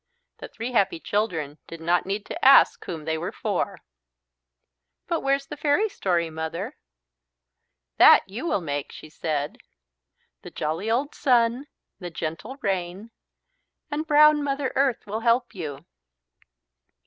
The three happy children did not need to ask whom they were for. "But where's the fairy story, Mother?" "That you will make," she said. "The jolly old Sun, the gentle Rain, and brown Mother Earth will help you."